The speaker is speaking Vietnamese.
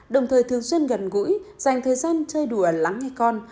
đồng thời thường xuyên gần gũi dành thời gian chơi đùa lắng nghe con